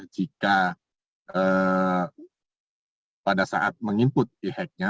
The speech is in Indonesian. jika pada saat meng input e hack nya